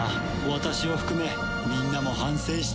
私を含めみんなも反省している。